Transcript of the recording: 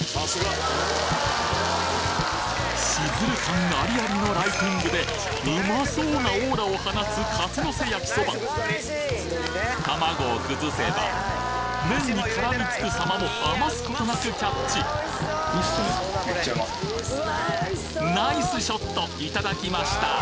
シズル感ありありのライティングでうまそうなオーラを放つ卵を崩せば麺に絡みつくさまも余すことなくキャッチナイスショットいただきました